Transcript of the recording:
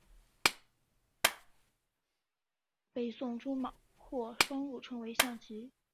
北宋朱彧将双陆称为象棋。